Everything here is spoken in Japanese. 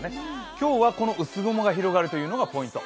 今日は、この薄雲が広がるというのがポイント。